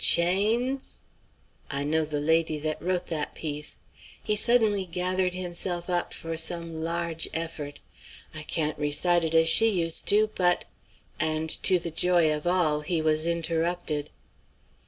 Chains?' I know the lady that wrote that piece." He suddenly gathered himself up for some large effort. "I can't recite it as she used to, but" And to the joy of all he was interrupted.